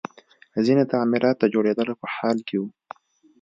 ځینې تعمیرات د جوړېدلو په حال کې وو